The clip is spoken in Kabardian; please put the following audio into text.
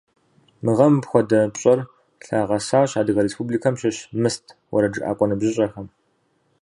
Мы гъэм апхуэдэ пщӏэр лъагъэсащ Адыгэ Республикэм щыщ «Мыст» уэрэджыӏакӏуэ ныбжьыщӏэхэм.